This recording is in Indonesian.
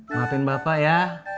maafin bapak ya